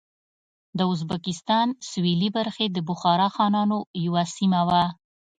د ازبکستان سوېلې برخې د بخارا خانانو یوه سیمه وه.